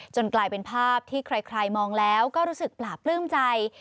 กลายเป็นภาพที่ใครมองแล้วก็รู้สึกปลาปลื้มใจ